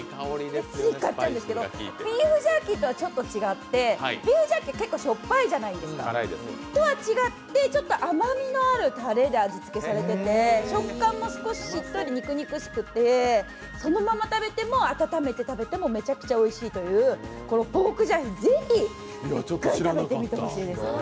つい買っちゃうんですけど、ビーフジャーキーとはちょっと違ってビーフジャーキーって結構しょっぱいじゃないですかとは違って、甘みのあるたれで食感も少ししっとり、肉肉しくて、そのまま食べても温めて食べてもめちゃくちゃおいしいというポークジャーキー、是非、一回食べてほしいです。